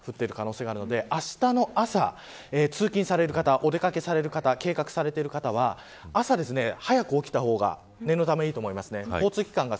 この辺りで非常に激しい雨が降る可能性があるのであしたの朝、通勤される方お出掛けされる方計画されている方は朝は早く起きた方が念のためいいと思います。